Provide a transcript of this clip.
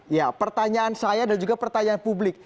ya pertanyaan saya dan juga pertanyaan publik